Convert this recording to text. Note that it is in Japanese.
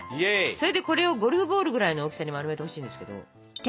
それでこれをゴルフボールぐらいの大きさに丸めてほしいんですけど。